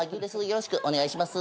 よろしくお願いします」